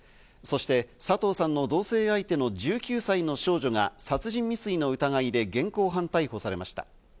そして佐藤さんの同棲相手の１９歳の少女が殺人未遂の疑いで現行犯逮捕されました。